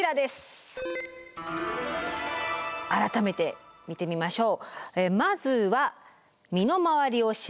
改めて見てみましょう。